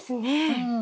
うん。